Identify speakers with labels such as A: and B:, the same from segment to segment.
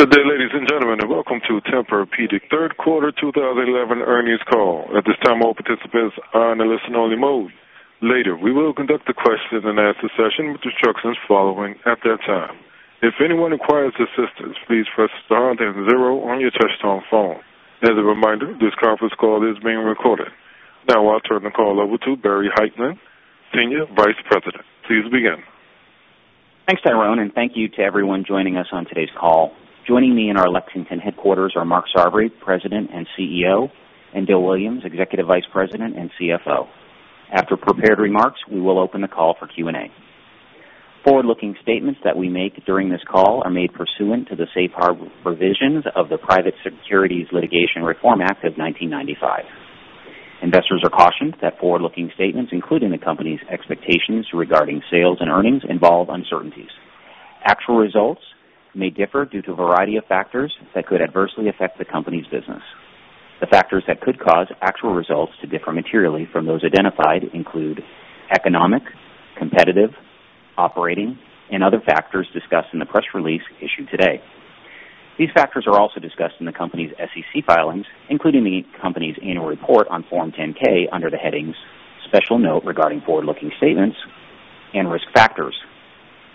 A: Good day, ladies and gentlemen, and welcome to the Tempur-Pedic third quarter 2011 earnings call. At this time, all participants are in a listen-only mode. Later, we will conduct a question-and-answer session with instructions following at that time. If anyone requires assistance, please press star then zero on your touch-tone phone. As a reminder, this conference call is being recorded. Now, I'll turn the call over to Barry Hytinen, Senior Vice President. Please begin.
B: Thanks, Tyrone, and thank you to everyone joining us on today's call. Joining me in our Lexington headquarters are Mark Sarvary, President and CEO, and Dale Williams, Executive Vice President and CFO. After prepared remarks, we will open the call for Q&A. Forward-looking statements that we make during this call are made pursuant to the safeguard provisions of the Private Securities Litigation Reform Act of 1995. Investors are cautioned that forward-looking statements, including the company's expectations regarding sales and earnings, involve uncertainties. Actual results may differ due to a variety of factors that could adversely affect the company's business. The factors that could cause actual results to differ materially from those identified include economic, competitive, operating, and other factors discussed in the press release issued today. These factors are also discussed in the company's SEC filings, including the company's annual report on Form 10-K under the headings "Special Note Regarding Forward-Looking Statements" and "Risk Factors."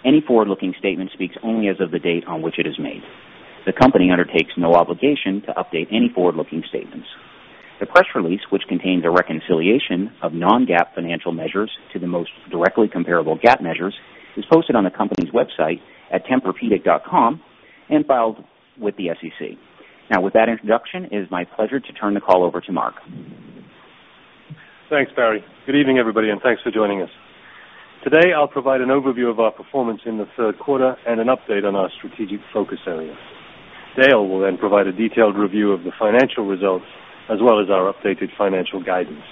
B: Any forward-looking statement speaks only as of the date on which it is made. The company undertakes no obligation to update any forward-looking statements. The press release, which contains a reconciliation of non-GAAP financial measures to the most directly comparable GAAP measures, is posted on the company's website at tempurpedic.com and filed with the SEC. Now, with that introduction, it is my pleasure to turn the call over to Mark.
C: Thanks, Barry. Good evening, everybody, and thanks for joining us. Today, I'll provide an overview of our performance in the third quarter and an update on our strategic focus area. Dale will then provide a detailed review of the financial results, as well as our updated financial guidance.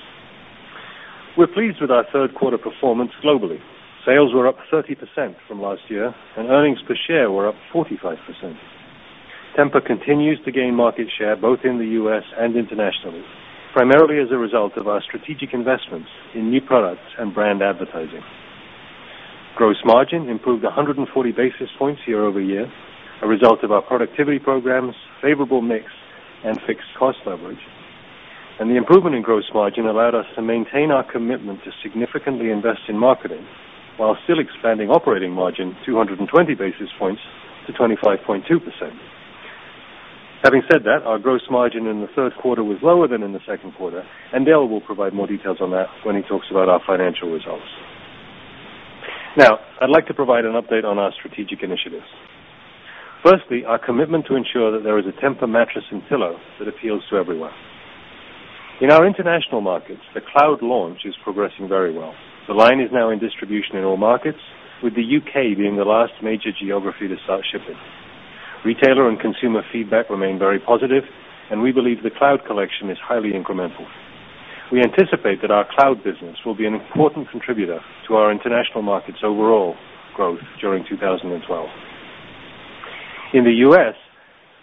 C: We're pleased with our third quarter performance globally. Sales were up 30% from last year, and earnings per share were up 45%. Tempur continues to gain market share both in the U.S. and internationally, primarily as a result of our strategic investments in new products and brand advertising. Gross margin improved 140 basis points year-over-year, a result of our productivity programs, favorable mix, and fixed cost leverage. The improvement in gross margin allowed us to maintain our commitment to significantly invest in marketing while still expanding operating margin 220 basis points to 25.2%. Having said that, our gross margin in the third quarter was lower than in the second quarter, and Dale will provide more details on that when he talks about our financial results. Now, I'd like to provide an update on our strategic initiatives. Firstly, our commitment to ensure that there is a Tempur mattress and pillow that appeals to everyone. In our international markets, the Cloud launch is progressing very well. The line is now in distribution in all markets, with the U.K. being the last major geography to start shipping. Retailer and consumer feedback remain very positive, and we believe the Cloud collection is highly incremental. We anticipate that our Cloud business will be an important contributor to our international markets' overall growth during 2012. In the U.S.,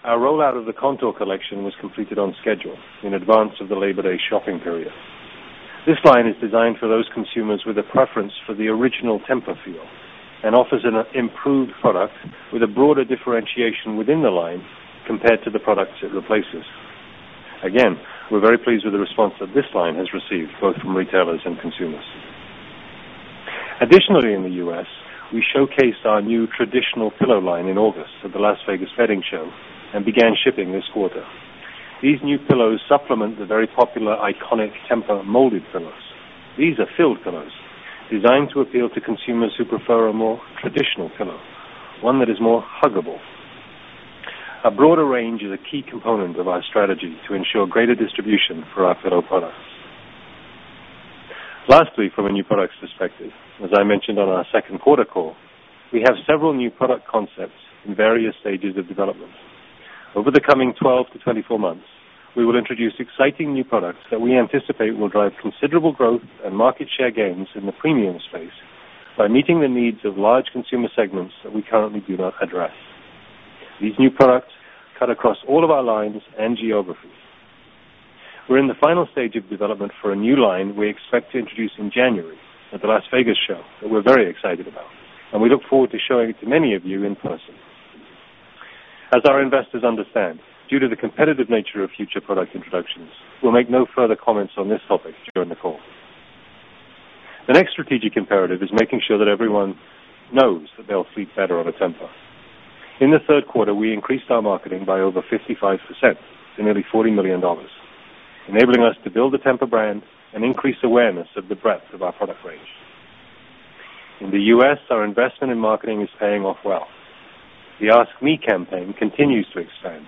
C: our rollout of the Contour collection was completed on schedule in advance of the Labor Day shopping period. This line is designed for those consumers with a preference for the original Tempur feel and offers an improved product with a broader differentiation within the line compared to the products of replacers. We're very pleased with the response that this line has received both from retailers and consumers. Additionally, in the U.S., we showcased our new traditional pillow line in August at the Las Vegas Fitting Show and began shipping this quarter. These new pillows supplement the very popular iconic Tempur molded pillows. These are filled pillows designed to appeal to consumers who prefer a more traditional pillow, one that is more huggable. A broader range is a key component of our strategy to ensure greater distribution for our pillow products. Lastly, from a new product perspective, as I mentioned on our second quarter call, we have several new product concepts in various stages of development. Over the coming 12-24 months, we will introduce exciting new products that we anticipate will drive considerable growth and market share gains in the premium mattress space by meeting the needs of large consumer segments that we currently do not address. These new products cut across all of our lines and geographies. We're in the final stage of development for a new line we expect to introduce in January at the Las Vegas Show that we're very excited about, and we look forward to showing it to many of you in person. As our investors understand, due to the competitive nature of future product introductions, we'll make no further comments on this topic during the call. The next strategic imperative is making sure that everyone knows that they'll sleep better on a Tempur mattress. In the third quarter, we increased our marketing by over 55%, nearly $40 million, enabling us to build the Tempur brand and increase awareness of the breadth of our product range. In the U.S., our investment in marketing is paying off well. The "Ask Me" campaign continues to expand,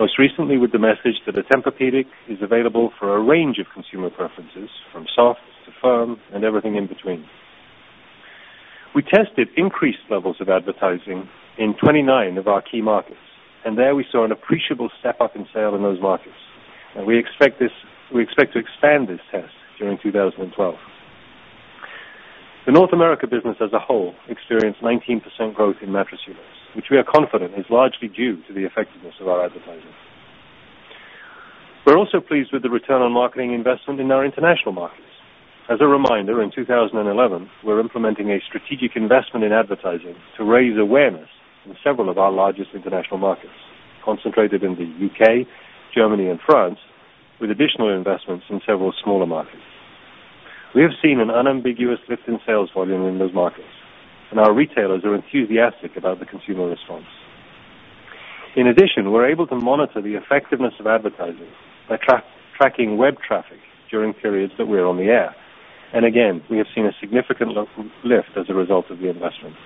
C: most recently with the message that a Tempur mattress is available for a range of consumer preferences from soft to firm and everything in between. We tested increased levels of advertising in 29 of our key markets, and there we saw an appreciable step up in sales in those markets. We expect to expand this test during 2012. The North America business as a whole experienced 19% growth in mattress units, which we are confident is largely due to the effectiveness of our advertising. We're also pleased with the return on marketing investment in our international markets. As a reminder, in 2011, we're implementing a strategic investment in advertising to raise awareness in several of our largest international markets, concentrated in the U.K., Germany, and France, with additional investments in several smaller markets. We have seen an unambiguous lift in sales volume in those markets, and our retailers are enthusiastic about the consumer response. In addition, we're able to monitor the effectiveness of advertising by tracking web traffic during periods that we're on the air. We have seen a significant lift as a result of the investment.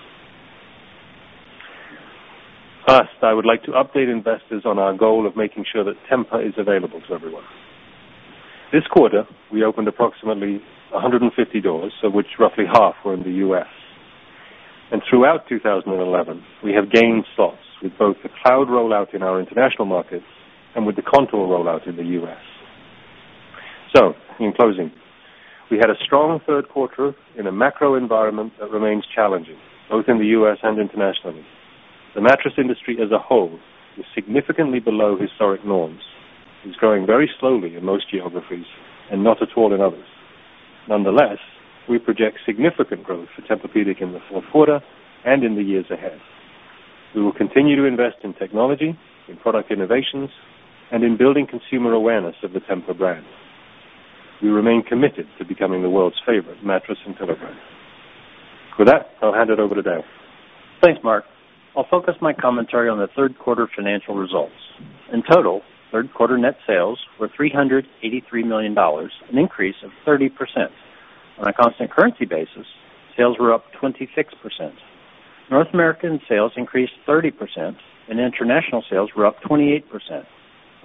C: Last, I would like to update investors on our goal of making sure that Tempur is available to everyone. This quarter, we opened approximately 150 doors, of which roughly half were in the U.S. Throughout 2011, we have gained slots with both the Cloud collection rollout in our international markets and with the Contour rollout in the U.S. In closing, we had a strong third quarter in a macro environment that remains challenging, both in the U.S. and internationally. The mattress industry as a whole is significantly below historic norms. It's growing very slowly in most geographies and not at all in others. Nonetheless, we project significant growth for Tempur in the fourth quarter and in the years ahead. We will continue to invest in technology, in product innovations, and in building consumer awareness of the Tempur brand. We remain committed to becoming the world's favorite mattress and pillow brand. With that, I'll hand it over to Dale.
D: Thanks, Mark. I'll focus my commentary on the third quarter financial results. In total, third quarter net sales were $383 million, an increase of 30%. On a constant currency basis, sales were up 26%. North American sales increased 30%, and International sales were up 28%.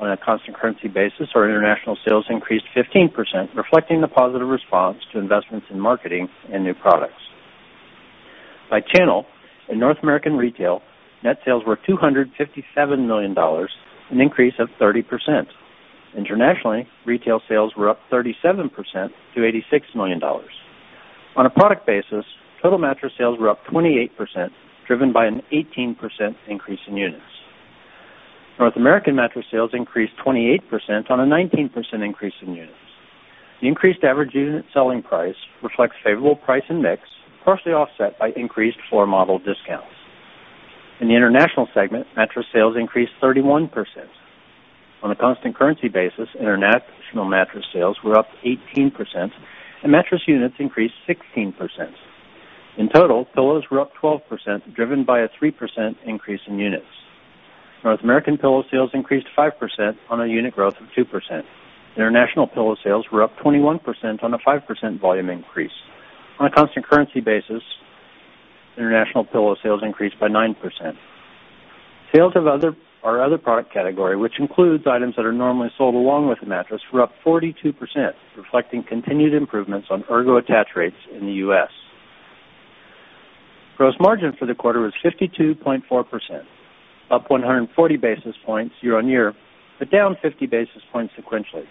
D: On a constant currency basis, our International sales increased 15%, reflecting the positive response to investments in marketing and new products. By channel, in North American retail, net sales were $257 million, an increase of 30%. Internationally, retail sales were up 37% to $86 million. On a product basis, total mattress sales were up 28%, driven by an 18% increase in units. North American mattress sales increased 28% on a 19% increase in units. The increased average unit selling price reflects favorable price and mix, partially offset by increased floor model discounts. In the international segment, mattress sales increased 31%. On a constant currency basis, international mattress sales were up 18%, and mattress units increased 16%. In total, pillows were up 12%, driven by a 3% increase in units. North American pillow sales increased 5% on a unit growth of 2%. International pillow sales were up 21% on a 5% volume increase. On a constant currency basis, international pillow sales increased by 9%. Sales of our other product category, which includes items that are normally sold along with a mattress, were up 42%, reflecting continued improvements on ergo attach rates in the U.S. Gross margin for the quarter was 52.4%, up 140 basis points year-on-year, but down 50 basis points sequentially.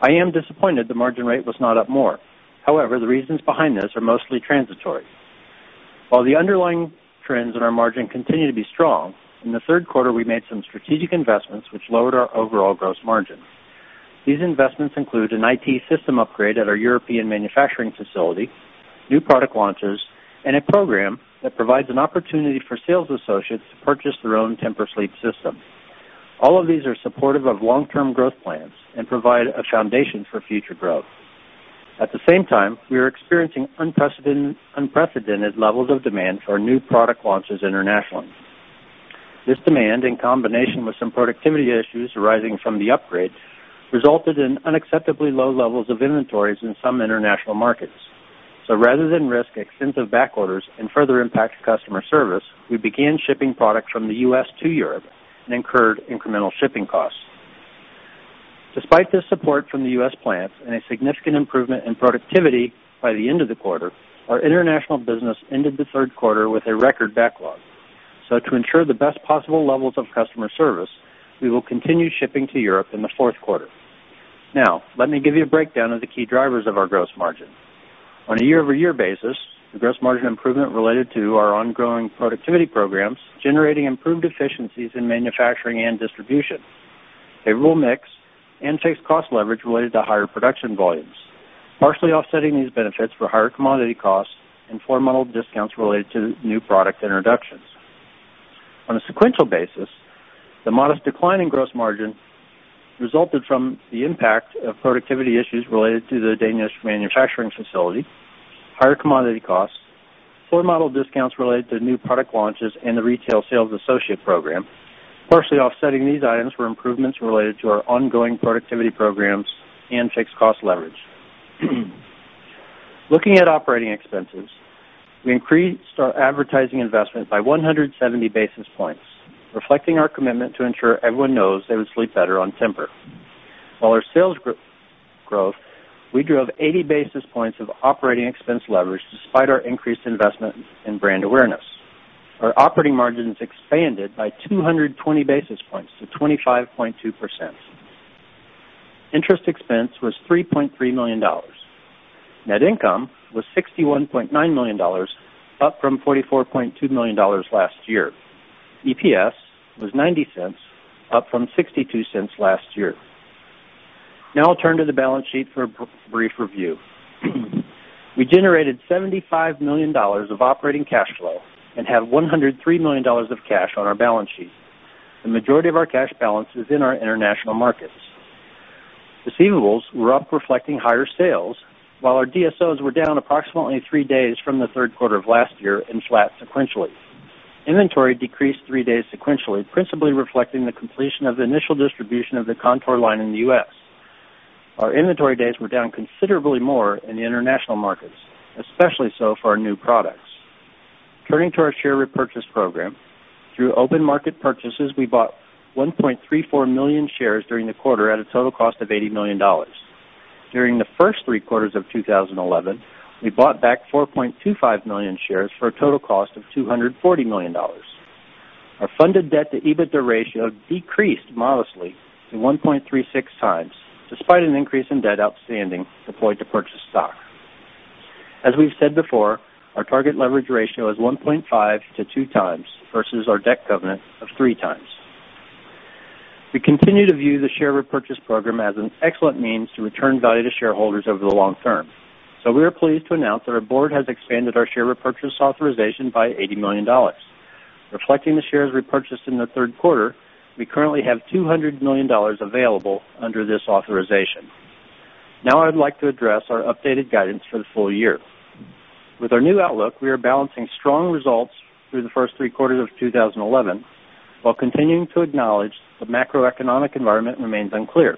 D: I am disappointed the margin rate was not up more. However, the reasons behind this are mostly transitory. While the underlying trends in our margin continue to be strong, in the third quarter, we made some strategic investments which lowered our overall gross margin. These investments include an IT system upgrade at our European manufacturing facility, new product launches, and a program that provides an opportunity for sales associates to purchase their own Tempur sleep systems. All of these are supportive of long-term growth plans and provide a foundation for future growth. At the same time, we are experiencing unprecedented levels of demand for new product launches internationally. This demand, in combination with some productivity issues arising from the upgrade, resulted in unacceptably low levels of inventories in some international markets. Rather than risk extensive backorders and further impact customer service, we began shipping product from the U.S. to Europe and incurred incremental shipping costs. Despite this support from the U.S. plants and a significant improvement in productivity by the end of the quarter, our international business ended the third quarter with a record backlog. To ensure the best possible levels of customer service, we will continue shipping to Europe in the fourth quarter. Now, let me give you a breakdown of the key drivers of our gross margin. On a year-over-year basis, the gross margin improvement related to our ongoing productivity programs generated improved efficiencies in manufacturing and distribution, favorable mix, and fixed cost leverage related to higher production volumes, partially offsetting these benefits for higher commodity costs and floor model discounts related to new product introductions. On a sequential basis, the modest decline in gross margin resulted from the impact of productivity issues related to the Danish manufacturing facility, higher commodity costs, floor model discounts related to new product launches, and the retail sales associate program, partially offsetting these items for improvements related to our ongoing productivity programs and fixed cost leverage. Looking at operating expenses, we increased our advertising investment by 170 basis points, reflecting our commitment to ensure everyone knows they would sleep better on Tempur. While our sales growth, we drove 80 basis points of operating expense leverage despite our increased investment in brand awareness. Our operating margins expanded by 220 basis points to 25.2%. Interest expense was $3.3 million. Net income was $61.9 million, up from $44.2 million last year. EPS was $0.90, up from $0.62 last year. Now, I'll turn to the balance sheet for a brief review. We generated $75 million of operating cash flow and had $103 million of cash on our balance sheet. The majority of our cash balance is in our international markets. Receivables were up, reflecting higher sales, while our DSOs were down approximately three days from the third quarter of last year and flat sequentially. Inventory decreased three days sequentially, principally reflecting the completion of the initial distribution of the Contour line in the U.S. Our inventory days were down considerably more in the international markets, especially so for our new products. Turning to our share repurchase program, through open market purchases, we bought 1.34 million shares during the quarter at a total cost of $80 million. During the first three quarters of 2011, we bought back 4.25 million shares for a total cost of $240 million. Our funded debt to EBITDA ratio decreased modestly to 1.36x, despite an increase in debt outstanding deployed to purchase stock. As we've said before, our target leverage ratio is 1.5x-2x versus our debt covenant of 3x. We continue to view the share repurchase program as an excellent means to return value to shareholders over the long term. We are pleased to announce that our board has expanded our share repurchase authorization by $80 million. Reflecting the shares repurchased in the third quarter, we currently have $200 million available under this authorization. Now, I would like to address our updated guidance for the full year. With our new outlook, we are balancing strong results through the first three quarters of 2011 while continuing to acknowledge the macroeconomic environment remains unclear.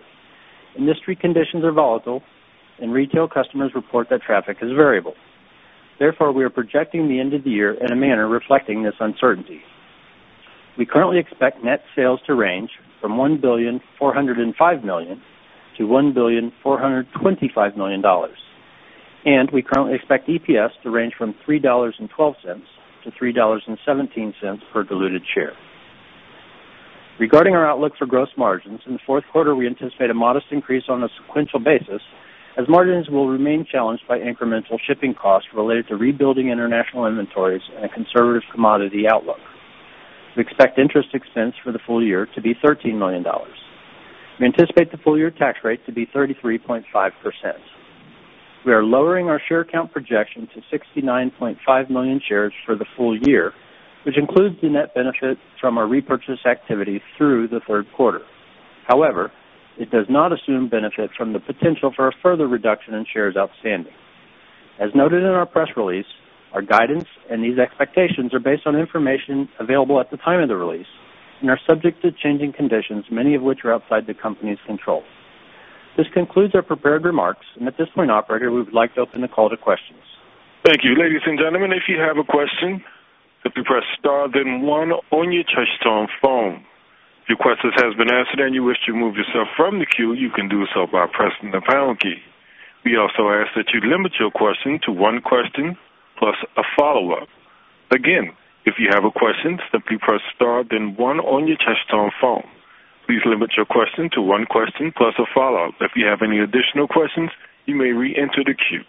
D: Industry conditions are volatile, and retail customers report that traffic is variable. Therefore, we are projecting the end of the year in a manner reflecting this uncertainty. We currently expect net sales to range from $1,405 billion-$1,425 billion, and we currently expect EPS to range from $3.12-$3.17 for a diluted share. Regarding our outlook for gross margins, in the fourth quarter, we anticipate a modest increase on a sequential basis as margins will remain challenged by incremental shipping costs related to rebuilding international inventories and a conservative commodity outlook. We expect interest expense for the full year to be $13 million. We anticipate the full-year tax rate to be 33.5%. We are lowering our share count projection to 69.5 million shares for the full year, which includes the net benefit from our repurchase activity through the third quarter. However, it does not assume benefit from the potential for a further reduction in shares outstanding. As noted in our press release, our guidance and these expectations are based on information available at the time of the release and are subject to changing conditions, many of which are outside the company's control. This concludes our prepared remarks, and at this point, Operator, we would like to open the call to questions.
A: Thank you, ladies and gentlemen. If you have a question, simply press star then one on your touch-tone phone. If your question has been answered and you wish to move yourself from the queue, you can do so by pressing the pound key. We also ask that you limit your question to one question plus a follow-up. Again, if you have a question, simply press star then one on your touch-tone phone. Please limit your question to one question plus a follow-up. If you have any additional questions, you may re-enter the queue.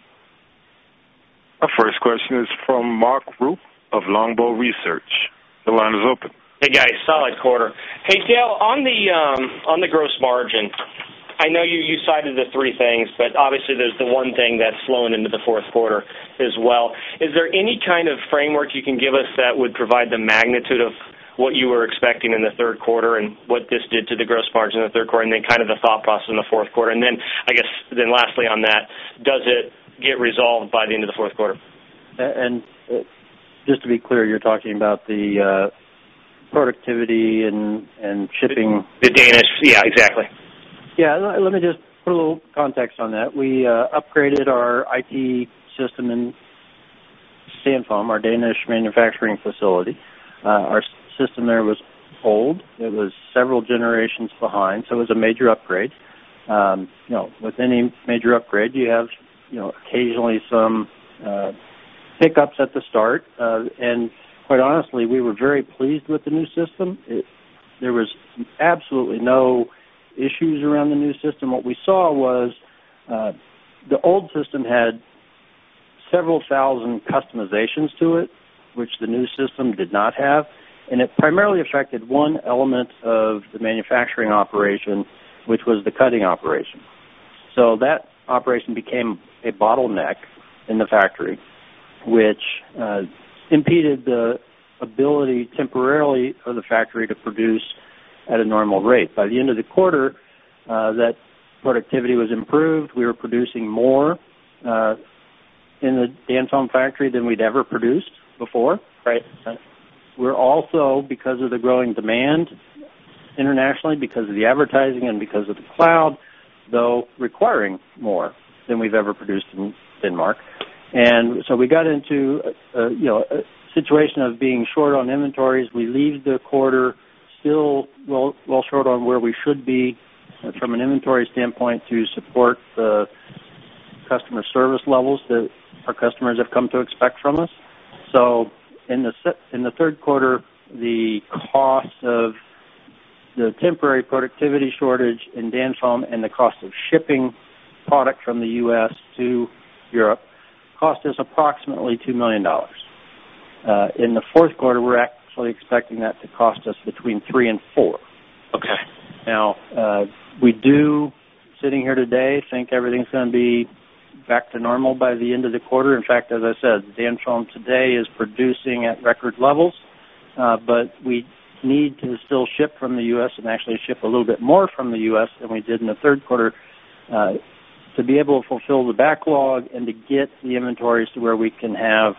A: Our first question is from Mark Rupe of Longbow Research. The line is open.
E: Hey, guys. Solid quarter. Hey, Dale, on the gross margin, I know you cited the three things, but obviously, there's the one thing that's flown into the fourth quarter as well. Is there any kind of framework you can give us that would provide the magnitude of what you were expecting in the third quarter and what this did to the gross margin in the third quarter, and then the thought process in the fourth quarter? I guess, lastly on that, does it get resolved by the end of the fourth quarter?
D: Just to be clear, you're talking about the productivity and shipping?
E: The Danish, yeah, exactly.
D: Yeah, let me just put a little context on that. We upgraded our IT system in our Danish Manufacturing Facility. Our system there was old. It was several generations behind, so it was a major upgrade. You know, with any major upgrade, you have occasionally some hiccups at the start. Quite honestly, we were very pleased with the new system. There were absolutely no issues around the new system. What we saw was the old system had several thousand customizations to it, which the new system did not have. It primarily affected one element of the manufacturing operation, which was the cutting operation. That operation became a bottleneck in the factory, which impeded the ability temporarily of the factory to produce at a normal rate. By the end of the quarter, that productivity was improved. We were producing more in the Danish factory than we'd ever produced before.
E: Right.
D: We're also, because of the growing demand internationally, because of the advertising and because of the Cloud, though requiring more than we've ever produced in Denmark. We got into a situation of being short on inventories. We leave the quarter still well short on where we should be from an inventory standpoint to support the customer service levels that our customers have come to expect from us. In the third quarter, the cost of the temporary productivity shortage in Dan-Foam and the cost of shipping product from the U.S. to Europe cost us approximately $2 million. In the fourth quarter, we're actually expecting that to cost us between $3 million and $4 million.
E: Okay.
D: Now, we do, sitting here today, think everything's going to be back to normal by the end of the quarter. In fact, as I said, Dan-Foam today is producing at record levels, but we need to still ship from the U.S. and actually ship a little bit more from the U.S. than we did in the third quarter to be able to fulfill the backlog and to get the inventories to where we can have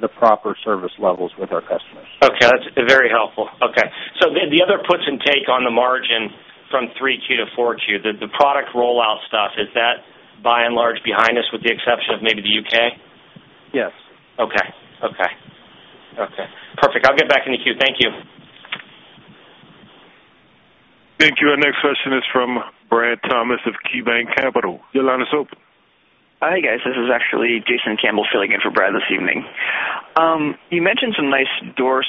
D: the proper service levels with our customers.
E: Okay, that's very helpful. The other puts and take on the margin from 3Q to 4Q, the product rollout stuff, is that by and large behind us with the exception of maybe the U.K.?
D: Yes.
E: Okay. Perfect. I'll get back in the queue. Thank you.
A: Thank you. Our next question is from Brad Thomas of KeyBanc Capital. The line is open.
F: Hi, guys. This is actually Jason Campbell filling in for Brad this evening. You mentioned some nice door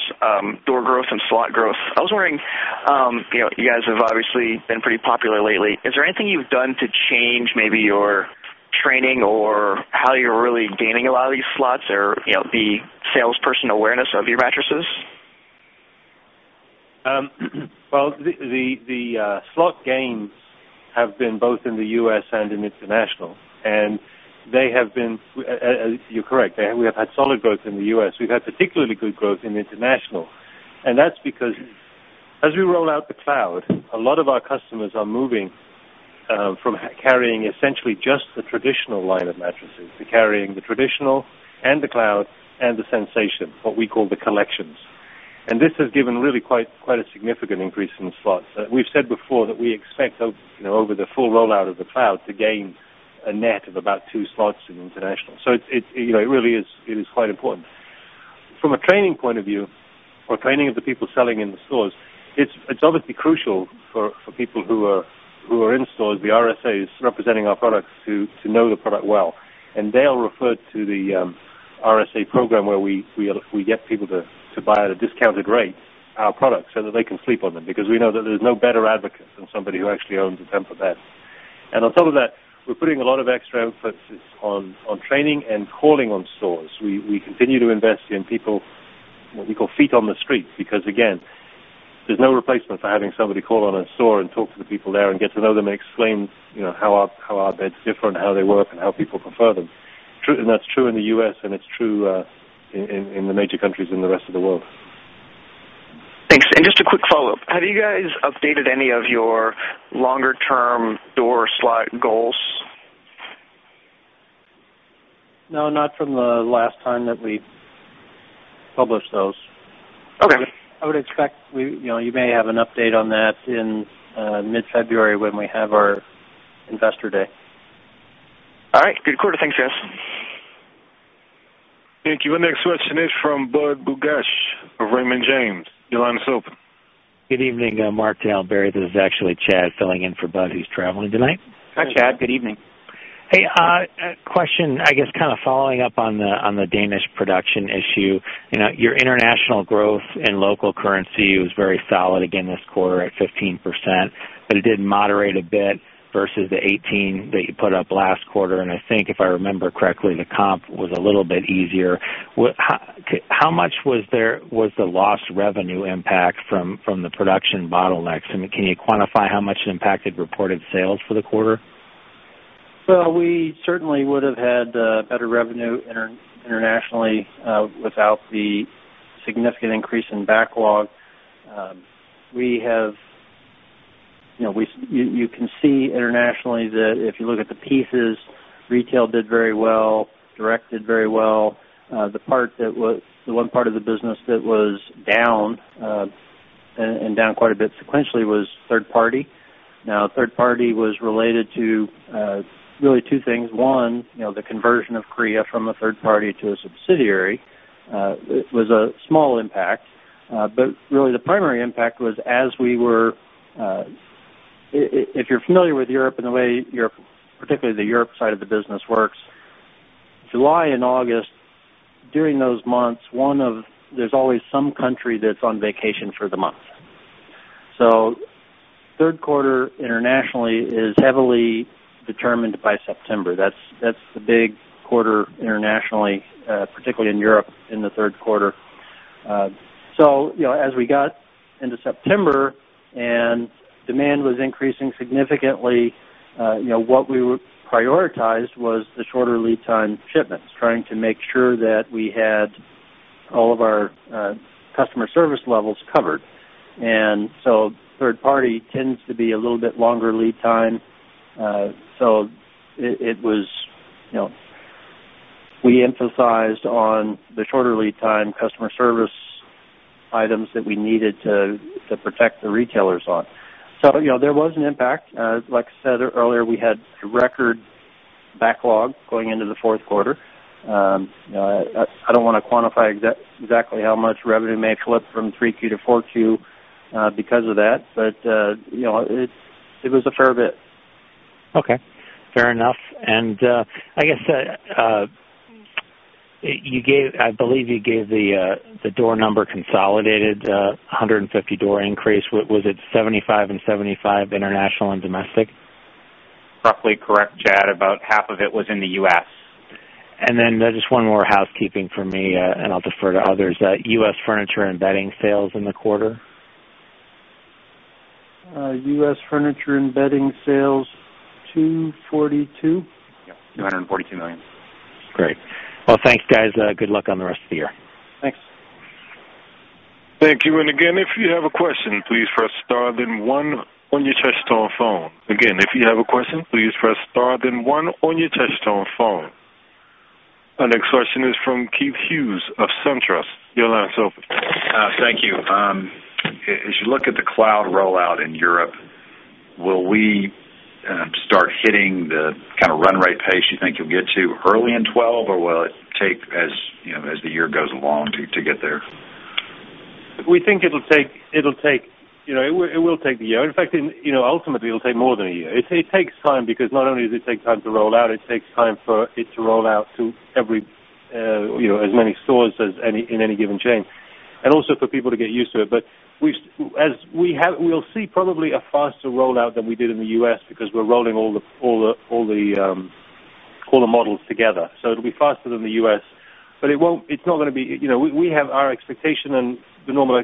F: growth and slot growth. I was wondering, you know, you guys have obviously been pretty popular lately. Is there anything you've done to change maybe your training or how you're really gaining a lot of these slots or, you know, the salesperson awareness of your mattresses?
C: The slot gains have been both in the U.S. and in international. They have been, you're correct, we have had solid growth in the U.S. We've had particularly good growth in international. That's because as we roll out the Cloud, a lot of our customers are moving from carrying essentially just the traditional line of mattresses to carrying the traditional and the Cloud and the Sensations, what we call the Collections. This has given really quite a significant increase in slots. We've said before that we expect, over the full rollout of the Cloud, to gain a net of about two slots in international. It really is quite important. From a training point of view or training of the people selling in the stores, it's obviously crucial for people who are in stores, the RSAs representing our products, to know the product well. Dale referred to the RSA program where if we get people to buy at a discounted rate our products so that they can sleep on them because we know that there's no better advocate than somebody who actually owns a Tempur bed. On top of that, we're putting a lot of extra emphasis on training and calling on stores. We continue to invest in people, what we call feet on the streets, because again, there's no replacement for having somebody call on a store and talk to the people there and get to know them and explain how our beds differ, how they work, and how people prefer them. That's true in the U.S., and it's true in the major countries in the rest of the world.
F: Thanks. Just a quick follow-up. Have you guys updated any of your longer-term door slot goals?
D: No, not from the last time that we published those.
F: Okay.
D: I would expect you may have an update on that in mid-February when we have our Investor Day.
F: All right. Good quarter. Thanks, guys.
A: Thank you. Our next question is from Budd Bugatch of Raymond James. The line is open.
G: Good evening, Mark, Dale, Barry. This is actually Chad filling in for Budd, who's traveling tonight.
E: Hi, Chad. Good evening.
G: Hey, a question, I guess, kind of following up on the Danish production issue. Your international growth in local currency was very solid again this quarter at 15%, but it did moderate a bit versus the 18% that you put up last quarter. I think, if I remember correctly, the comp was a little bit easier. How much was the lost revenue impact from the production bottlenecks? Can you quantify how much it impacted reported sales for the quarter?
D: We certainly would have had better revenue internationally without the significant increase in backlog. You can see internationally that if you look at the pieces, retail did very well, direct did very well. The part that was the one part of the business that was down and down quite a bit sequentially was third-party. Third-party was related to really two things. One, the conversion of CRIA from a third party to a subsidiary. It was a small impact. The primary impact was as we were, if you're familiar with Europe and the way particularly the Europe side of the business works, July and August, during those months, there's always some country that's on vacation for the month. Third quarter internationally is heavily determined by September. That's the big quarter internationally, particularly in Europe in the third quarter. As we got into September and demand was increasing significantly, what we prioritized was the shorter lead time shipments, trying to make sure that we had all of our customer service levels covered. Third-party tends to be a little bit longer lead time. We emphasized the shorter lead time customer service items that we needed to protect the retailers on. There was an impact. Like I said earlier, we had a record backlog going into the fourth quarter. I don't want to quantify exactly how much revenue may have flipped from 3Q to 4Q because of that, but it was a fair bit.
G: Okay. Fair enough. I guess you gave, I believe you gave the door number consolidated, 150 door increase. Was it 75 and 75 international and domestic?
F: Roughly correct, Chad. About 1/2 of it was in the U.S.
G: Just one more housekeeping for me, and I'll defer to others. U.S. furniture and bedding sales in the quarter?
D: U.S. furniture and bedding sales, $242 million.
F: Yep. $242 million.
G: Great. Thanks, guys. Good luck on the rest of the year.
D: Thanks.
A: Thank you. If you have a question, please press star then one on your touch-tone phone. If you have a question, please press star then one on your touch-tone phone. Our next question is from Keith Hughes of SunTrust. The line is open.
H: Thank you. As you look at the Cloud rollout in Europe, will we start hitting the kind of run rate pace you think you'll get to early in 2012, or will it take, as the year goes along, to get there?
C: We think it'll take a year. In fact, ultimately, it'll take more than a year. It takes time because not only does it take time to roll out, it takes time for it to roll out to every, you know, as many stores as any in any given chain, and also for people to get used to it. We've seen probably a faster rollout than we did in the U.S. because we're rolling all the models together. It'll be faster than the U.S., but it's not going to be, you know, we have our expectation and the normal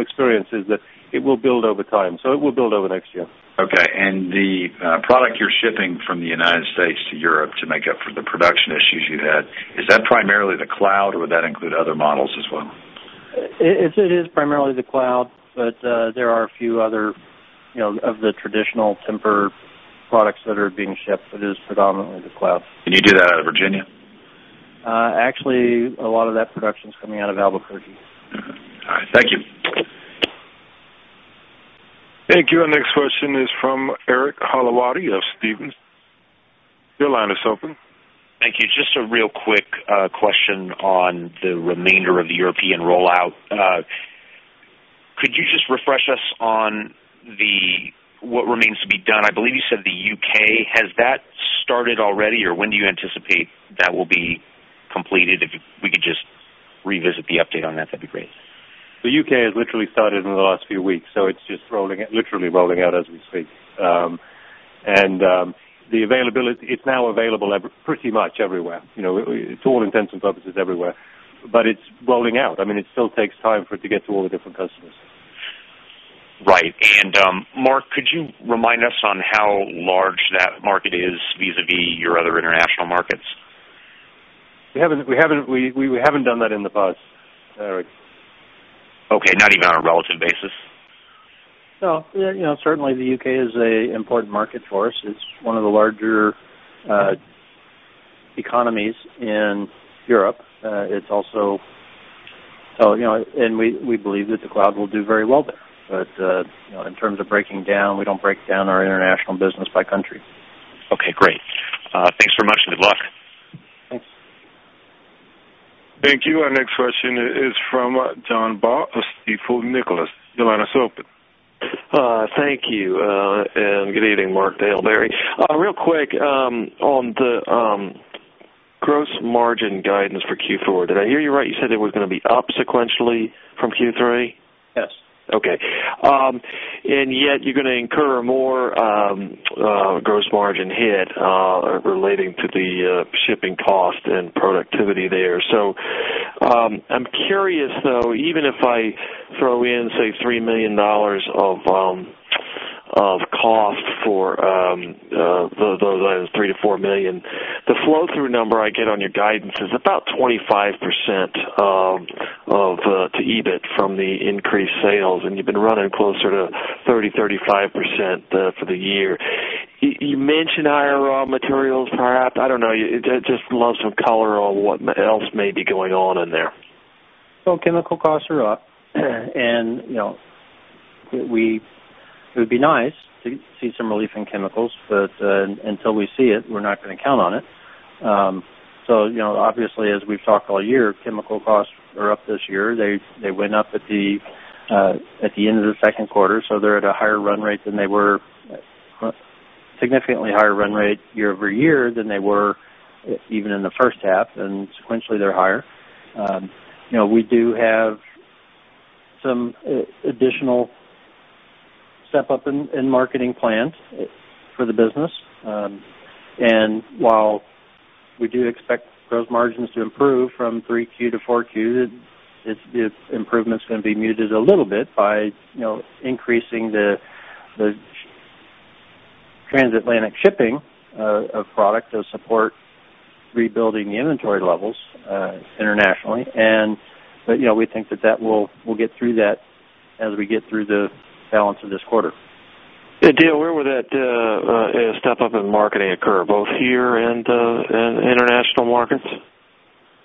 C: experience is that it will build over time. It will build over the next year.
H: Okay. The product you're shipping from the U.S. to Europe to make up for the production issues you had, is that primarily the Cloud, or would that include other models as well?
D: It is primarily the Cloud, but there are a few other, you know, of the traditional Tempur products that are being shipped. It is predominantly the Cloud.
H: Do you do that out of Virginia?
D: Actually, a lot of that production is coming out of Albuquerque.
G: All right. Thank you.
A: Thank you. Our next question is from Eric Hollowaty of Stephens.] The line is open.
I: Thank you. Just a real quick question on the remainder of the European rollout. Could you just refresh us on what remains to be done? I believe you said the U.K. Has that started already, or when do you anticipate that will be completed? If we could just revisit the update on that, that'd be great.
C: The U.K. has literally started in the last few weeks, so it's just rolling out as we speak. The availability, it's now available pretty much everywhere. You know, it's all intents and purposes everywhere, but it's rolling out. It still takes time for it to get to all the different customers.
I: Right. Mark, could you remind us how large that market is vis-à-vis your other international markets?
C: We haven't done that in the past.
I: Okay. Not even on a relative basis?
C: No. You know, certainly, the U.K. is an important market for us. It's one of the larger economies in Europe. It's also, you know, and we believe that the Cloud will do very well there. In terms of breaking down, we don't break down our international business by country.
I: Okay. Great. Thanks very much and good luck.
C: Thanks.
A: Thank you. Our next question is from John Baugh of Stifel Nicolaus. The line is open.
J: Thank you. Good evening, Mark, Dale, Barry. Real quick, on the gross margin guidance for Q4, did I hear you right? You said it was going to be up sequentially from Q3?
C: Yes.
J: Okay. Yet, you're going to incur a more gross margin hit relating to the shipping cost and productivity there. I'm curious, even if I throw in, say, $3 million of cost for those items, $3 million-$4 million, the flow-through number I get on your guidance is about 25% of the EBIT from the increased sales. You've been running closer to 30%, 35% for the year. You mentioned IRR materials, perhaps. I don't know. I'd just love some color on what else may be going on in there.
C: Chemical costs are up. It would be nice to see some relief in chemicals, but until we see it, we're not going to count on it. Obviously, as we've talked all year, chemical costs are up this year. They went up at the end of the second quarter, so they're at a higher run rate than they were, a significantly higher run rate year-over-year than they were even in the first half. Sequentially, they're higher. We do have some additional step-up in marketing plans for the business. While we do expect gross margins to improve from 3Q to 4Q, the improvement is going to be muted a little bit by increasing the transatlantic shipping of product to support rebuilding the inventory levels internationally. We think that we will get through that as we get through the balance of this quarter.
J: Dale, where would that step-up in marketing occur, both here and in international markets?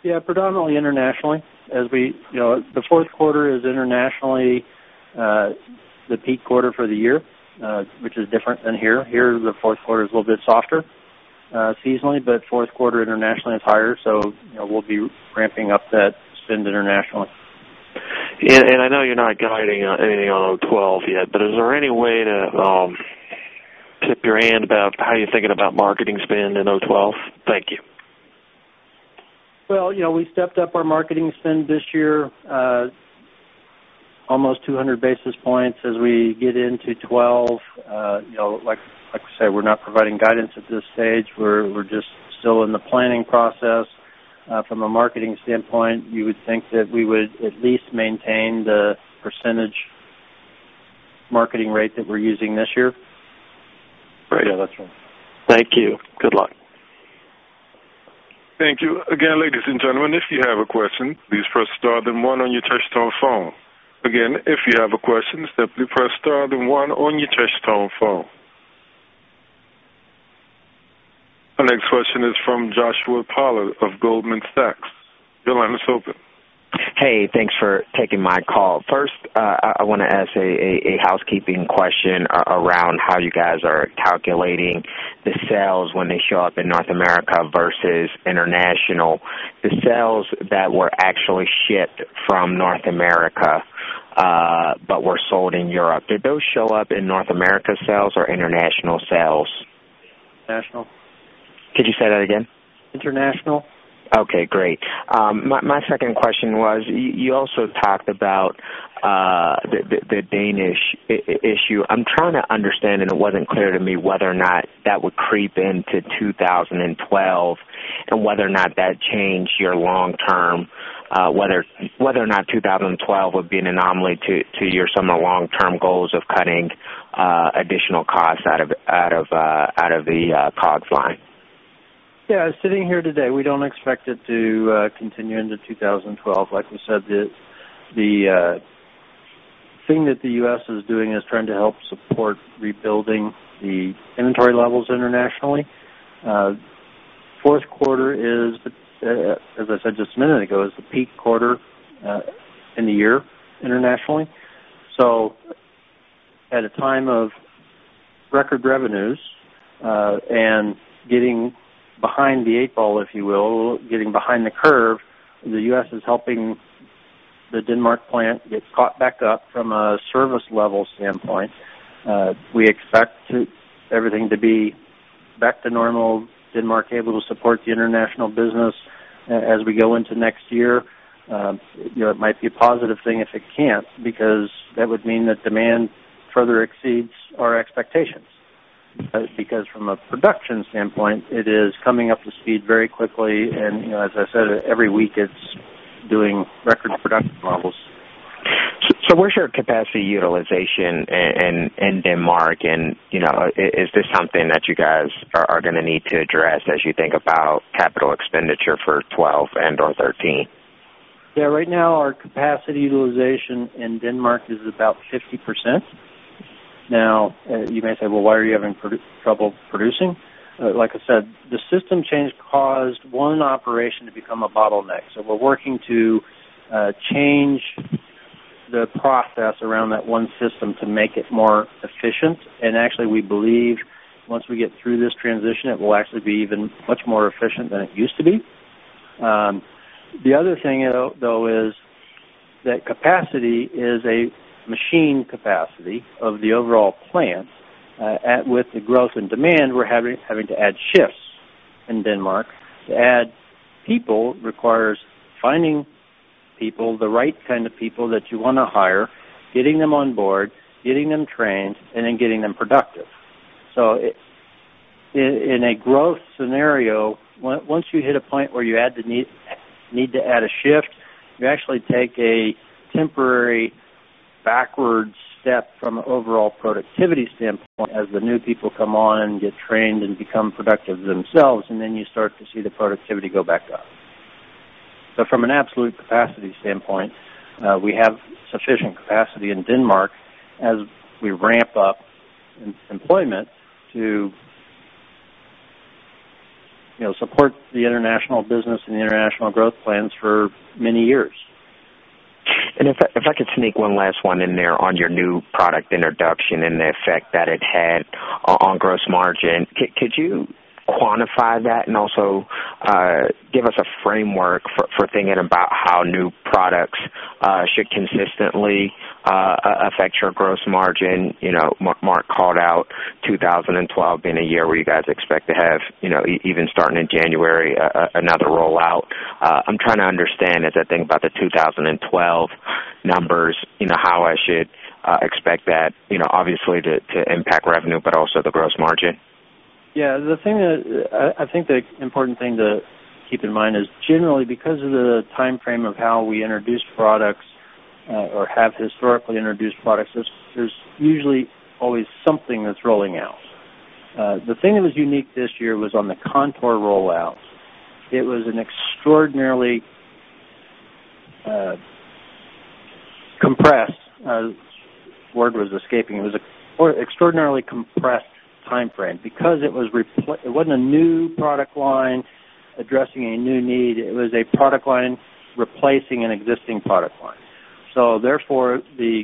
D: Yeah, predominantly internationally. As you know, the fourth quarter is internationally the peak quarter for the year, which is different than here. Here, the fourth quarter is a little bit softer seasonally, but fourth quarter internationally is higher. We'll be ramping up that spend internationally.
J: I know you're not guiding anything on 2012 yet, but is there any way to tip your hand about how you're thinking about marketing spend in 2012? Thank you.
D: We stepped up our marketing spend this year, almost 200 basis points as we get into 2012. Like I said, we're not providing guidance at this stage. We're just still in the planning process. From a marketing standpoint, you would think that we would at least maintain the percentage marketing rate that we're using this year.
J: Great.
C: Yeah, that's fine.
J: Thank you. Good luck.
A: Thank you. Again, ladies and gentlemen, if you have a question, please press star then one on your touch-tone phone. If you have a question, simply press star then one on your touch-tone phone. Our next question is from Joshua Pollard of Goldman Sachs. The line is open.
K: Hey, thanks for taking my call. First, I want to ask a housekeeping question around how you guys are calculating the sales when they show up in North America versus International. The sales that were actually shipped from North America but were sold in Europe, did those show up in North America sales or International sales?
D: International.
K: Could you say that again?
D: International.
K: Okay. Great. My second question was, you also talked about the Danish issue. I'm trying to understand, and it wasn't clear to me whether or not that would creep into 2012 and whether or not that changed your long-term, whether or not 2012 would be an anomaly to your some of the long-term goals of cutting additional costs out of the COGS line.
D: Yeah, sitting here today, we don't expect it to continue into 2012. Like we said, the thing that the U.S. is doing is trying to help support rebuilding the inventory levels internationally. Fourth quarter is, as I said just a minute ago, the peak quarter in the year internationally. At a time of record revenues and getting behind the eight ball, if you will, getting behind the curve, the U.S. is helping the Denmark plant get caught back up from a service level standpoint. We expect everything to be back to normal, Denmark able to support the International business as we go into next year. It might be a positive thing if it can't because that would mean that demand further exceeds our expectations. From a production standpoint, it is coming up to speed very quickly. Every week it's doing record production levels.
K: Where is your capacity utilization in Denmark? Is this something that you guys are going to need to address as you think about capital expenditure for 2012 and/or 2013?
D: Right now our capacity utilization in Denmark is about 50%. You may say, why are you having trouble producing? Like I said, the system change caused one operation to become a bottleneck. We are working to change the process around that one system to make it more efficient. Actually, we believe once we get through this transition, it will actually be even much more efficient than it used to be. The other thing, though, is that capacity is a machine capacity of the overall plant. With the growth in demand, we're having to add shifts in Denmark. To add people requires finding people, the right kind of people that you want to hire, getting them on board, getting them trained, and then getting them productive. In a growth scenario, once you hit a point where you need to add a shift, you actually take a temporary backward step from an overall productivity standpoint as the new people come on and get trained and become productive themselves. You start to see the productivity go back up. From an absolute capacity standpoint, we have sufficient capacity in Denmark as we ramp up employment to support the International business and the International growth plans for many years.
K: If I could sneak one last one in there on your new product introduction and the effect that it had on gross margin, could you quantify that and also give us a framework for thinking about how new products should consistently affect your gross margin? Mark called out 2012 being a year where you guys expect to have, even starting in January, another rollout. I'm trying to understand, as I think about the 2012 numbers, how I should expect that, obviously to impact revenue, but also the gross margin.
D: Yeah, the thing that I think the important thing to keep in mind is generally, because of the timeframe of how we introduced products or have historically introduced products, there's usually always something that's rolling out. The thing that was unique this year was on the Contour rollout. It was an extraordinarily compressed timeframe because it was not a new product line addressing a new need. It was a product line replacing an existing product line. Therefore, the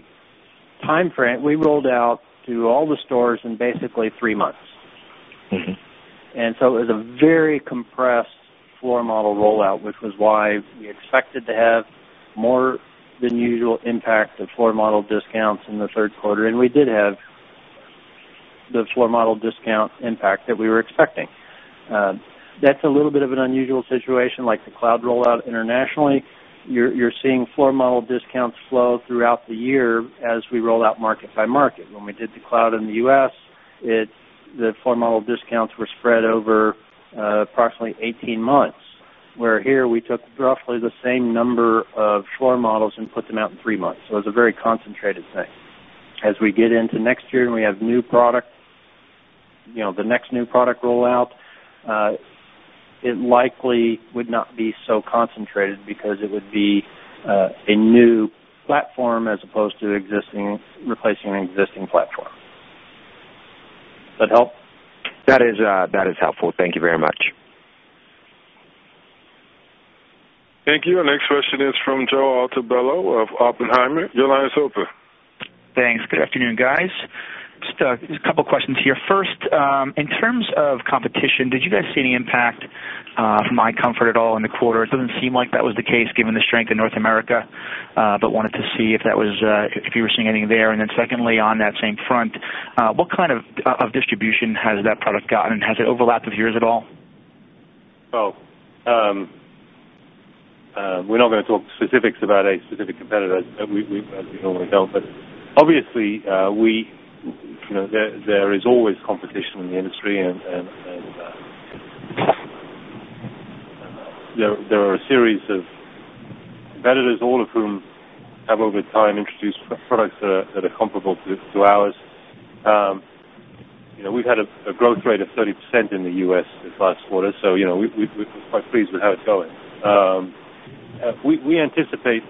D: timeframe we rolled out to all the stores was basically three months. It was a very compressed floor model rollout, which was why we expected to have more than usual impact of floor model discounts in the third quarter. We did have the floor model discount impact that we were expecting. That's a little bit of an unusual situation. Like the Cloud rollout internationally, you're seeing floor model discounts flow throughout the year as we roll out market by market. When we did the Cloud in the U.S., the floor model discounts were spread over approximately 18 months, where here we took roughly the same number of floor models and put them out in three months. It was a very concentrated thing. As we get into next year and we have new product, the next new product rollout likely would not be so concentrated because it would be a new platform as opposed to replacing an existing platform. Does that help?
K: That is helpful. Thank you very much.
A: Thank you. Our next question is from Joe Altobello of Oppenheimer. Your line is open.
L: Thanks. Good afternoon, guys. Just a couple of questions here. First, in terms of competition, did you guys see any impact on My Comfort at all in the quarter? It doesn't seem like that was the case given the strength in North America, but wanted to see if you were seeing anything there. Secondly, on that same front, what kind of distribution has that product gotten? Has it overlapped with yours at all?
C: Oh, we're not going to talk specifics about a specific competitor, as we normally don't. Obviously, there is always competition in the industry, and there are a series of competitors, all of whom have over time introduced products that are comparable to ours. We've had a growth rate of 30% in the U.S. this last quarter, so we're quite pleased with how it's going. We anticipate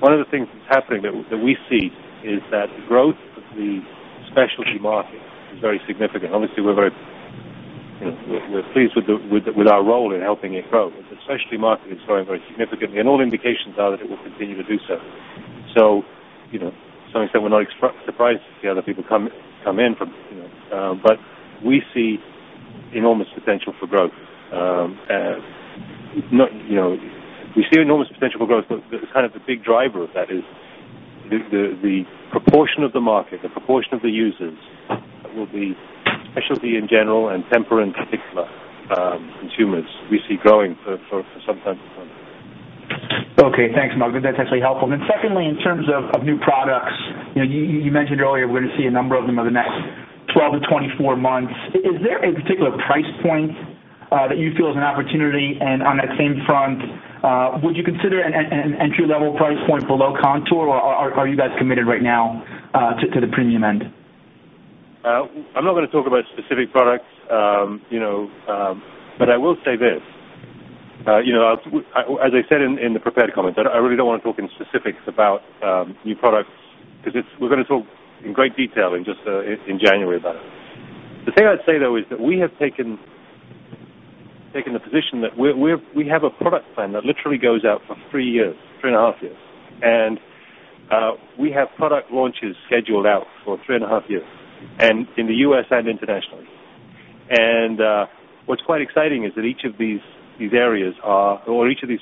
C: one of the things that's happening that we see is that the growth of the specialty market is very significant. Obviously, we're very pleased with our role in helping it grow. The specialty market is growing very significantly, and all indications are that it will continue to do so. To some extent, we're not surprised to see other people come in, but we see enormous potential for growth. We see enormous potential for growth, and the big driver of that is the proportion of the market, the proportion of the users that will be specialty in general and Tempur consumers we see growing for some time to come.
L: Okay. Thanks, Mark. That's actually helpful. Secondly, in terms of new products, you mentioned earlier, we're going to see a number of them over the next 12-24 months. Is there a particular price point that you feel is an opportunity? On that same front, would you consider an entry-level price point below Contour, or are you guys committed right now to the premium end?
C: I'm not going to talk about specific products, but I will say this. As I said in the prepared comment, I really don't want to talk in specifics about new products because we're going to talk in great detail in January about it. The thing I'd say, though, is that we have taken the position that we have a product plan that literally goes out for three years, three and a half years. We have product launches scheduled out for three and a half years, in the U.S. and internationally. What's quite exciting is that each of these areas, or each of these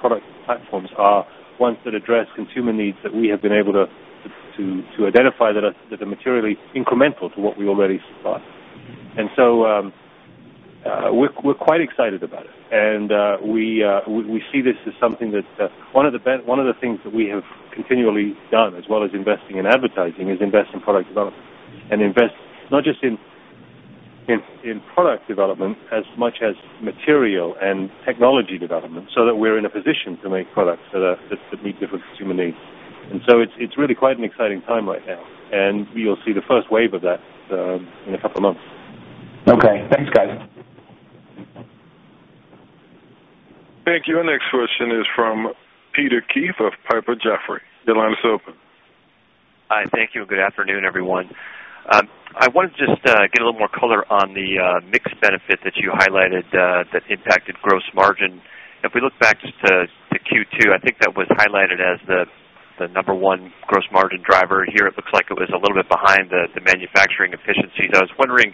C: product platforms, are ones that address consumer needs that we have been able to identify that are materially incremental to what we already supply. We're quite excited about it. We see this as something that one of the things that we have continually done, as well as investing in advertising, is invest in product development and invest not just in product development as much as material and technology development so that we're in a position to make products that meet different consumer needs. It's really quite an exciting time right now. We will see the first wave of that in a couple of months.
L: Okay, thanks, guys.
A: Thank you. Our next question is from Peter Keith of Piper Jaffray. The line is open.
M: Hi. Thank you. Good afternoon, everyone. I wanted to just get a little more color on the mixed benefit that you highlighted that impacted gross margin. If we look back just to Q2, I think that was highlighted as the number one gross margin driver. Here, it looks like it was a little bit behind the manufacturing efficiencies. I was wondering,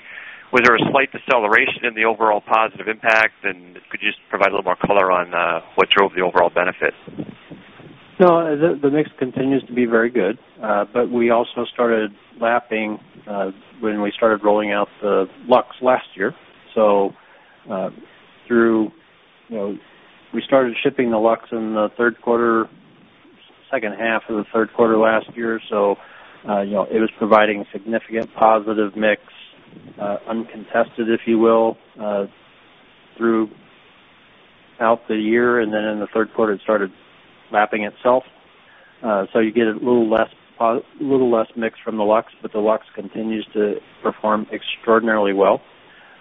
M: was there a slight deceleration in the overall positive impact? Could you just provide a little more color on what drove the overall benefits?
D: The mix continues to be very good, but we also started lapping when we started rolling out the Lux last year. We started shipping the Lux in the third quarter, second half of the third quarter last year. It was providing a significant positive mix, uncontested, if you will, throughout the year. In the third quarter, it started lapping itself. You get a little less mix from the Lux, but the Lux continues to perform extraordinarily well.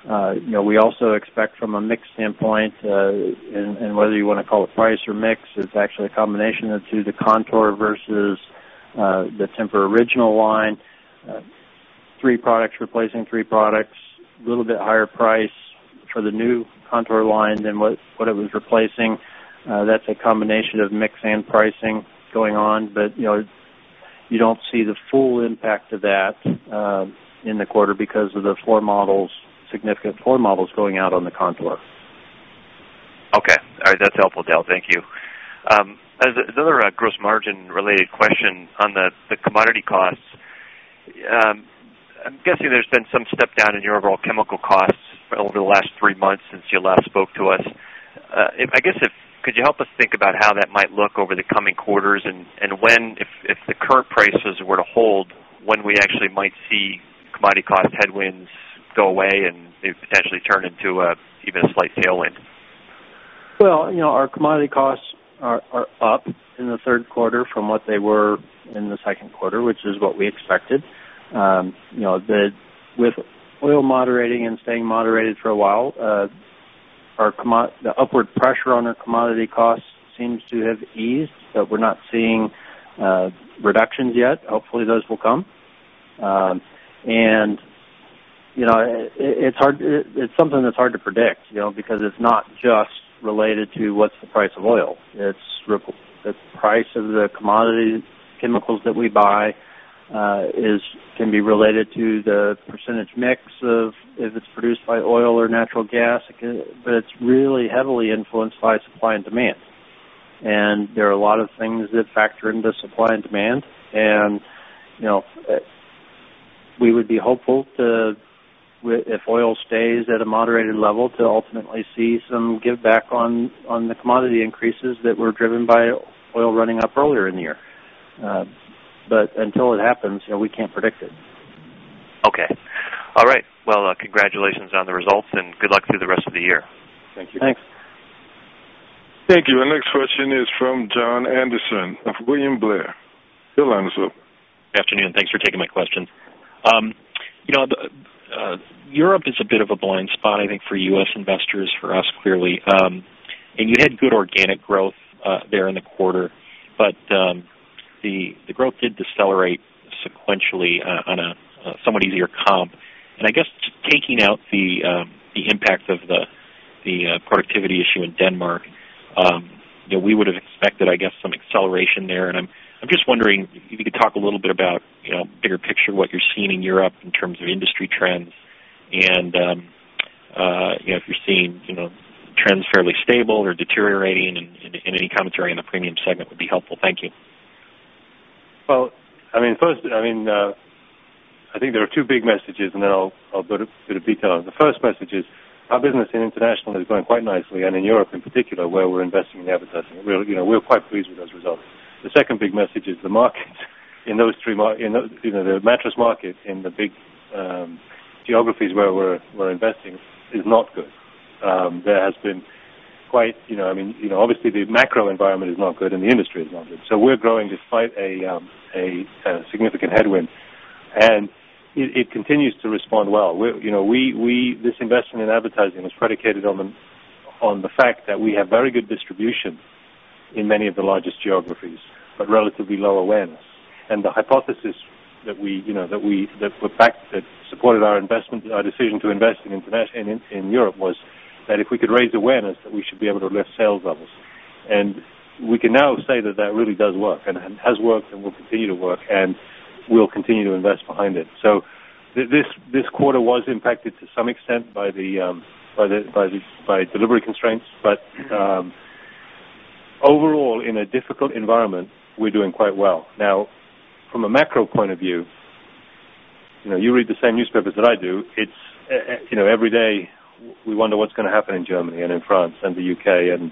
D: We also expect from a mix standpoint, and whether you want to call it price or mix, it's actually a combination of the two, the Contour versus the original line. Three products replacing three products, a little bit higher price for the new Contour line than what it was replacing. That's a combination of mix and pricing going on. You don't see the full impact of that in the quarter because of the floor models, significant floor models going out on the Contour.
M: Okay. All right. That's helpful, Dale. Thank you. Another gross margin-related question on the commodity costs. I'm guessing there's been some stepdown in your overall chemical costs over the last three months since you last spoke to us. Could you help us think about how that might look over the coming quarters and when, if the current prices were to hold, we actually might see commodity cost headwinds go away and maybe potentially turn into even a slight tailwind?
D: Our commodity costs are up in the third quarter from what they were in the second quarter, which is what we expected. With oil moderating and staying moderated for a while, the upward pressure on our commodity costs seems to have eased, but we're not seeing reductions yet. Hopefully, those will come. It's something that's hard to predict because it's not just related to what's the price of oil. It's the price of the commodity chemicals that we buy, which can be related to the percentage mix of if it's produced by oil or natural gas. It's really heavily influenced by supply and demand. There are a lot of things that factor into supply and demand. We would be hopeful to, if oil stays at a moderated level, ultimately see some give back on the commodity increases that were driven by oil running up earlier in the year. Until it happens, we can't predict it.
M: Okay. All right. Congratulations on the results and good luck through the rest of the year.
D: Thank you.
C: Thanks.
A: Thank you. Our next question is from Jon Andersen of William Blair. The line is open.
N: Good afternoon. Thanks for taking my question. Europe is a bit of a blind spot, I think, for U.S. investors, for us, clearly. You had good organic growth there in the quarter, but the growth did decelerate sequentially on a somewhat easier comp. Taking out the impact of the productivity issue in Denmark, we would have expected, I guess, some acceleration there. I'm just wondering if you could talk a little bit about, bigger picture, what you're seeing in Europe in terms of industry trends. Are you seeing trends fairly stable or deteriorating, and any commentary on the premium segment would be helpful. Thank you.
C: I think there are two big messages, and then I'll go through the detail. The first message is our business in international is going quite nicely, and in Europe in particular, where we're investing in advertising. We're quite pleased with those results. The second big message is the market in those three, you know, the mattress market in the big geographies where we're investing is not good. There has been quite, you know, obviously, the macro environment is not good and the industry is not good. We're growing despite a significant headwind. It continues to respond well. This investment in advertising was predicated on the fact that we have very good distribution in many of the largest geographies, but relatively low awareness. The hypothesis that supported our decision to invest in Europe was that if we could raise awareness, we should be able to lift sales levels. We can now say that really does work and has worked and will continue to work and we will continue to invest behind it. This quarter was impacted to some extent by delivery constraints. Overall, in a difficult environment, we're doing quite well. From a macro point of view, you read the same newspapers that I do. Every day we wonder what's going to happen in Germany and in France and the U.K. and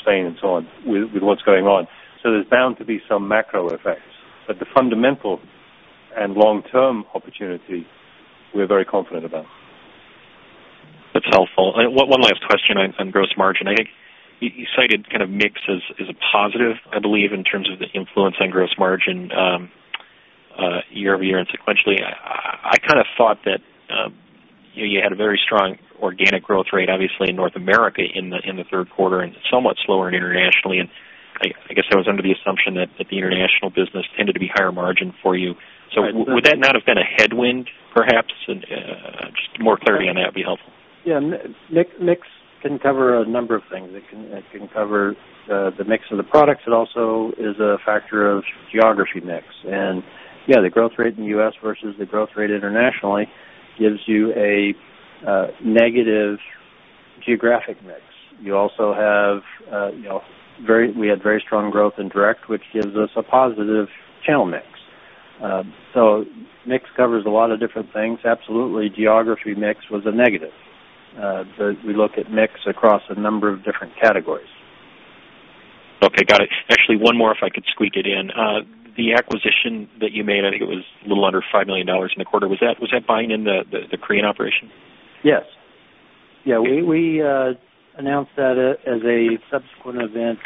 C: Spain and so on with what's going on. There's bound to be some macro effects. The fundamental and long-term opportunity, we're very confident about.
N: That's helpful. One last question on gross margin. I think you cited kind of mix as a positive, I believe, in terms of the influence on gross margin year-over-year and sequentially. I thought that you had a very strong organic growth rate, obviously, in North America in the third quarter and somewhat slower internationally. I was under the assumption that the international business tended to be higher margin for you. Would that not have been a headwind, perhaps? Just more clarity on that would be helpful.
D: Yeah. Mix can cover a number of things. It can cover the mix of the products. It also is a factor of geography mix. The growth rate in the U.S. versus the growth rate internationally gives you a negative geographic mix. You also have very, we had very strong growth in direct, which gives us a positive channel mix. Mix covers a lot of different things. Absolutely, geography mix was a negative. We look at mix across a number of different categories.
N: Okay. Got it. Actually, one more, if I could squeak it in. The acquisition that you made, I think it was a little under $5 million in the quarter. Was that buying in the Korean operation?
D: Yes. Yeah, we announced that as a subsequent event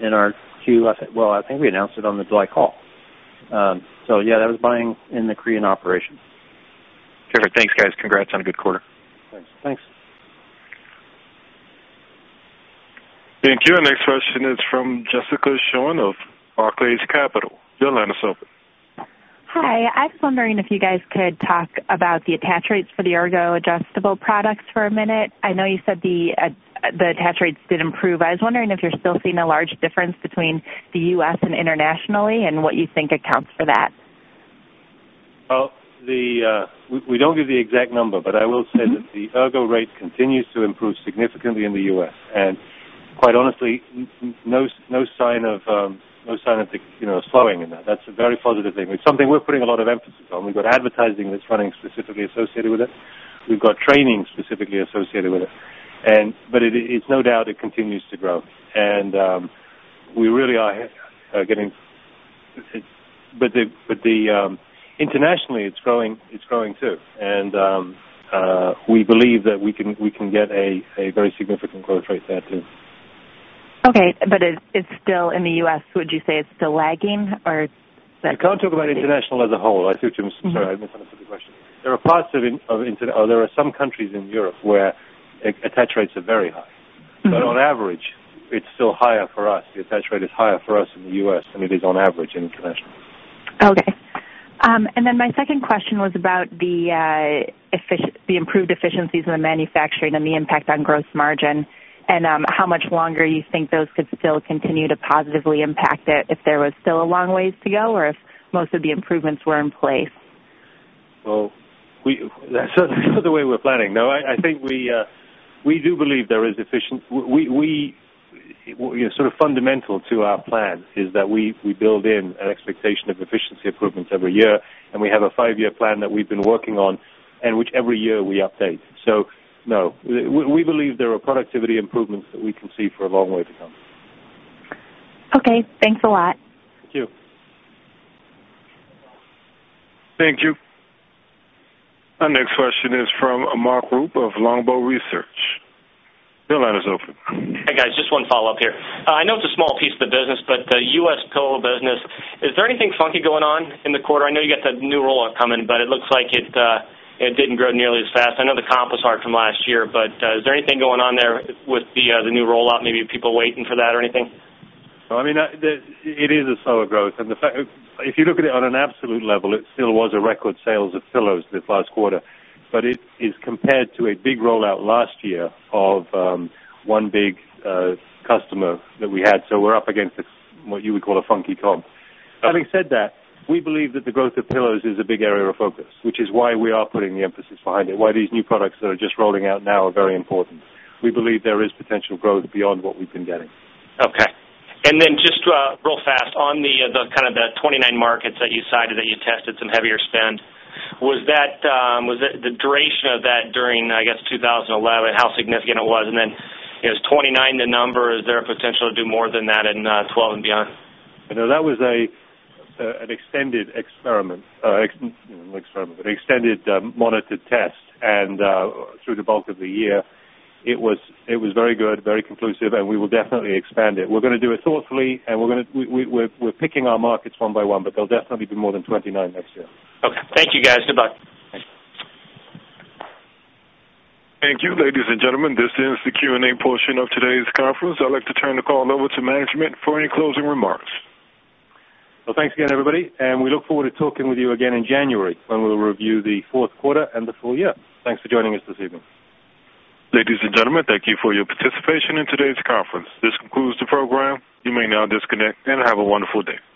D: in our Q. I think we announced it on the July call. That was buying in the Korean operation.
N: Perfect. Thanks, guys. Congrats on a good quarter.
D: Thanks. Thanks.
A: Thank you. Our next question is from Jessica Schoen of Barclays Capital. The line is open.
O: Hi. I was wondering if you guys could talk about the attach rates for the ergo adjustable products for a minute. I know you said the attach rates did improve. I was wondering if you're still seeing a large difference between the U.S. and internationally and what you think accounts for that.
C: We don't give the exact number, but I will say that the ergo rate continues to improve significantly in the U.S., and quite honestly, there is no sign of that slowing. That's a very positive thing. It's something we're putting a lot of emphasis on. We've got advertising that's running specifically associated with it. We've got training specifically associated with it, and it's no doubt it continues to grow. We really are getting, but internationally, it's growing too, and we believe that we can get a very significant growth rate there, too.
O: Okay, it's still in the U.S. Would you say it's still lagging?
C: I can't talk about international as a whole. I switched to him. Sorry, I missed the question. There are some countries in Europe where attach rates are very high. On average, it's still higher for us. The attach rate is higher for us in the U.S. than it is on average in international.
O: Okay. My second question was about the improved efficiencies in the manufacturing and the impact on gross margin, and how much longer you think those could still continue to positively impact it, if there was still a long ways to go or if most of the improvements were in place.
C: That's not the way we're planning. No, I think we do believe there is efficient. We are sort of fundamental to our plans is that we build in an expectation of efficiency improvements every year. We have a five-year plan that we've been working on and which every year we update. We believe there are productivity improvements that we can see for a long way to come.
O: Okay, thanks a lot.
C: Thank you.
A: Thank you. Our next question is from Mark Rupe of Longbow Research. The line is open.
E: Hey, guys. Just one follow-up here. I know it's a small piece of the business, but the U.S. pillow business, is there anything funky going on in the quarter? I know you got the new rollout coming, but it looks like it didn't grow nearly as fast. I know the comp was hard from last year, but is there anything going on there with the new rollout? Maybe people waiting for that or anything?
C: It is a slower growth. If you look at it on an absolute level, it still was a record sales of pillows this last quarter. It is compared to a big rollout last year of one big customer that we had. We're up against what you would call a funky comp. Having said that, we believe that the growth of pillows is a big area of focus, which is why we are putting the emphasis behind it, why these new products that are just rolling out now are very important. We believe there is potential growth beyond what we've been getting.
E: Okay. Just real fast on the 29 markets that you cited where you tested some heavier spend, was the duration of that during, I guess, 2011, and how significant was it? Is 29 the number? Is there a potential to do more than that in 2012 and beyond?
C: No, that was an extended experiment, an extended monitored test. Through the bulk of the year, it was very good, very conclusive, and we will definitely expand it. We're going to do it thoughtfully, and we're picking our markets one-by-one, but there will definitely be more than 29 next year.
E: Okay. Thank you, guys. Good luck.
A: Thank you, ladies and gentlemen. This ends the Q&A portion of today's conference. I'd like to turn the call over to management for any closing remarks.
C: Thank you again, everybody. We look forward to talking with you again in January when we'll review the fourth quarter and the full year. Thanks for joining us this evening.
A: Ladies and gentlemen, thank you for your participation in today's conference. This concludes the program. You may now disconnect and have a wonderful day.